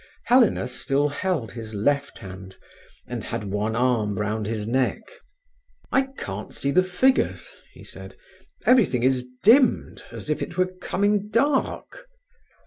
Helena still held his left hand, and had one arm round his neck. "I can't see the figures," he said. "Everything is dimmed, as if it were coming dark."